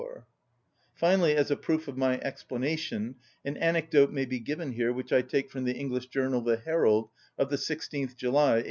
_) Finally, as a proof of my explanation, an anecdote may be given here which I take from the English journal The Herald of the 16th July 1836.